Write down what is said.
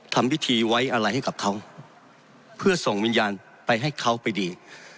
ทำพิธีไว้อะไรให้กับเขาเพื่อส่งวิญญาณไปให้เขาไปดี